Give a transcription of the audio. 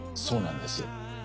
そうなんです。